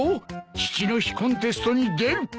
父の日コンテストに出る！